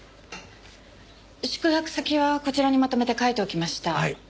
宿泊先はこちらにまとめて書いておきました。